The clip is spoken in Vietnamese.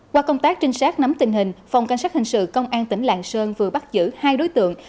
qua công tác trinh sát nắm tình hình phòng cảnh sát hình sự công an tỉnh lạng sơn vừa bắt giữ hai đối tượng